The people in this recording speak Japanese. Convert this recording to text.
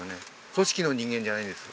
組織の人間じゃないんです